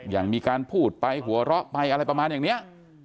มีการพูดไปหัวเราะไปอะไรประมาณอย่างนี้